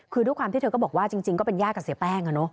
คือด้วยความที่เธอก็บอกว่าจริงก็เป็นญาติกับเสียแป้ง